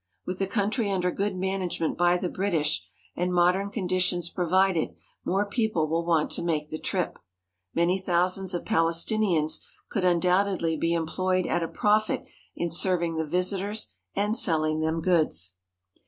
With the country under good management by the British, and modern conditions provided, more people will want to make the trip. Many thousands of Pal estinians could undoubtedly be employed at a profit in serving the visitors and selling them goods.